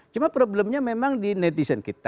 cuma problemnya memang di netizen kita